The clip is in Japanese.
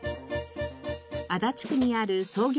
足立区にある創業